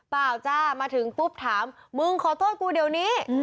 จ้ามาถึงปุ๊บถามมึงขอโทษกูเดี๋ยวนี้